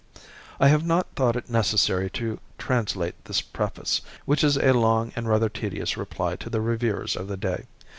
I have not thought it necessary to translate this preface, which is a long and rather tedious reply to the reviewers of the day.